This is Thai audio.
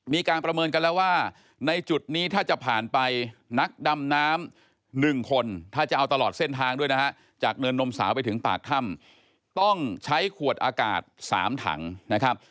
มีการประเมินกันแล้วว่าในจุดนี้ถ้าจะผ่านไปนักดำน้ำ๑คนถ้าจะเอาตลอดเส้นทางด้วยนะฮะจากเนินนมสาวไปถึงปากถ้ำต้องใช้ขวดอากาศ๓ถังนะครับ